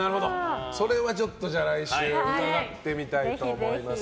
それは来週、伺ってみたいと思います。